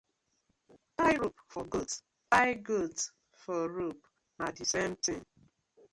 Tie rope for goat, tie goat for rope, na the same thing.